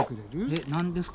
えっ何ですか？